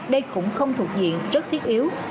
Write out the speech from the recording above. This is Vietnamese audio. đây cũng không thuộc diện rất thiết yếu